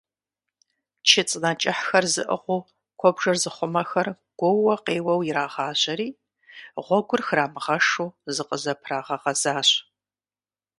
Чы цӀынэ кӀыхьхэр зыӀыгъыу куэбжэр зыхъумэхэр гуоууэ къеуэу ирагъажьэри, гъуэгур храмыгъэшу зыкъызэпрагъэгъэзащ.